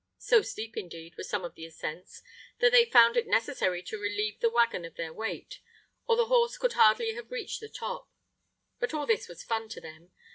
So steep, indeed, were some of the ascents that they found it necessary to relieve the waggon of their weight, or the horse could hardly have reached the top. But all this was fun to them.